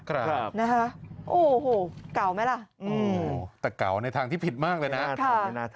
กล่าวไหมล่ะแต่กล่าวในทางที่ผิดมากเลยนะ